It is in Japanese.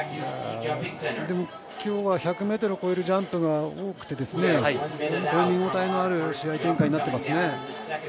でも今日は１００ｍを超えるジャンプが多くて、本当に見応えのある試合展開になっていますね。